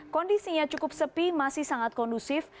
kondisinya cukup sepi masih sangat kondusif